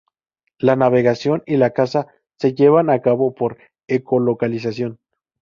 La navegación y la caza se llevan a cabo por ecolocalización.